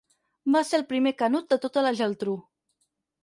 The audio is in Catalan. Va ser el primer Canut de tota la Geltrú.